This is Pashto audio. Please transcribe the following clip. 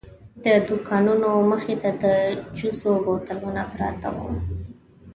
د دوکانونو مخې ته د جوسو بوتلونه پراته وو.